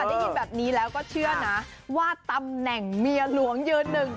ได้ยินแบบนี้แล้วก็เชื่อนะว่าตำแหน่งเมียหลวงยืนหนึ่ง